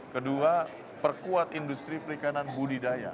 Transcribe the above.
kedua perkuat industri perikanan budidaya